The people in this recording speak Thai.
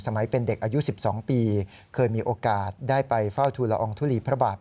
เป็นเด็กอายุ๑๒ปีเคยมีโอกาสได้ไปเฝ้าทุลอองทุลีพระบาท